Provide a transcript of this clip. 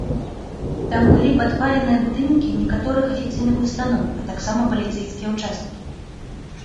Там былі падпаленыя будынкі некаторых афіцыйных устаноў, а таксама паліцэйскія ўчасткі.